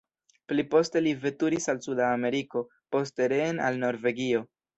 Pli poste li veturis al suda Ameriko, poste reen al Norvegio.